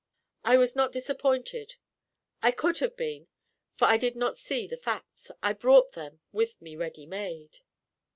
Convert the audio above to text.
I was not disappointed I could not have been; for I did not see the facts, I brought them with me ready made.